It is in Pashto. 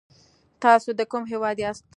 تاسو د کوم هېواد یاست ؟